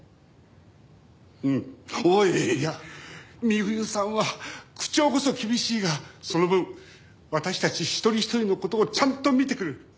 美冬さんは口調こそ厳しいがその分私たち一人一人の事をちゃんと見てくれる。